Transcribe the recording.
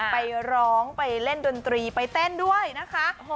ไปร้องไปเล่นดนตรีไปเต้นด้วยนะคะ